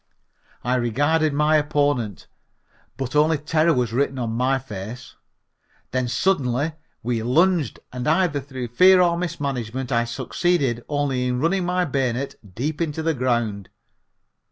I regarded my opponent, but only terror was written on my face. Then suddenly we lunged and either through fear or mismanagement I succeeded only in running my bayonet deep into the ground.